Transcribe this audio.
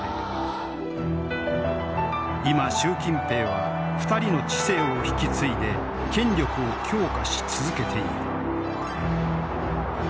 今習近平は２人の治世を引き継いで権力を強化し続けている。